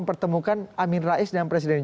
faktanya enggak hari ini